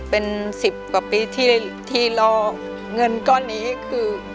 เป็น๑๐กว่าปีที่รอเงินก้อนนี้คือ